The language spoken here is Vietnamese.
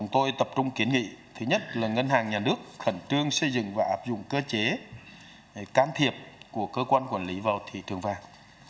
tôi tập trung kiến nghị thứ nhất là ngân hàng nhà nước khẩn trương xây dựng và áp dụng cơ chế can thiệp của cơ quan quản lý vào thị trường vàng